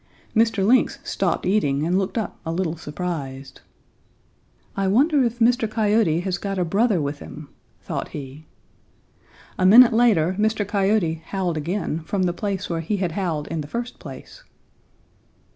Mr. Lynx stopped eating and looked up a little surprised. 'I wonder if Mr. Coyote has got a brother with him,' thought he. A minute later Mr. Coyote howled again from the place where he had howled in the first place.